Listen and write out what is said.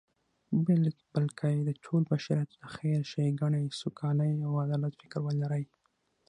بلکی د ټول بشریت د خیر، ښیګڼی، سوکالی او عدالت فکر ولری